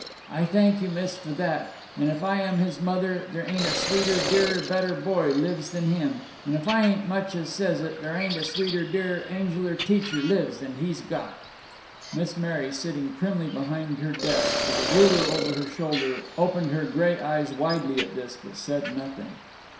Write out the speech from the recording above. "I thank you, miss, for that! and if I am his mother, there ain't a sweeter, dearer, better boy lives than him. And if I ain't much as says it, thar ain't a sweeter, dearer, angeler teacher lives than he's got." Miss Mary, sitting primly behind her desk, with a ruler over her shoulder, opened her gray eyes widely at this, but said nothing.